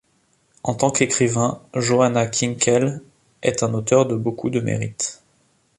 En tant qu'écrivain, Johanna Kinkel est un auteur de beaucoup de mérite.